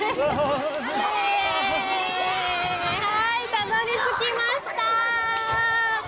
たどりつきました。